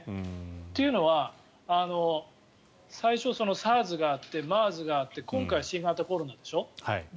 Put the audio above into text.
というのは最初ＳＡＲＳがあってＭＥＲＳがあって今回、新型コロナでしょ。